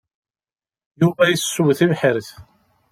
Yuba yessew tibḥirt.